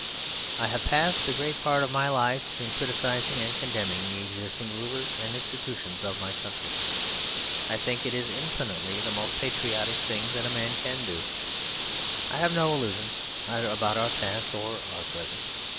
I have passed the great part of my life in criticising and condemning the existing rulers and institutions of my country: I think it is infinitely the most patriotic thing that a man can do. I have no illusions either about our past or our present.